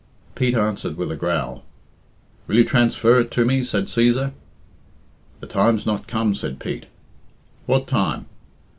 Pete answered with a growl. "Will you transfer it to me?" said Cæsar. "The time's not come," said Pete. "What time?"